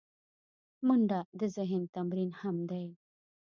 منډه د ذهن تمرین هم دی